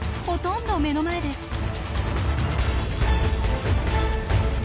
ほとんど目の前です。